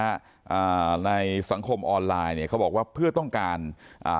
อ่าในสังคมออนไลน์เนี่ยเขาบอกว่าเพื่อต้องการอ่า